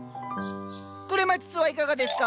クレマチスはいかがですか？